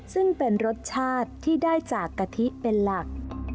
ซึ่งเป็นรสชาติที่ได้จากกะทิเป็นหลัก